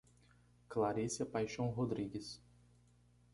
Claricia Paixao Rodrigues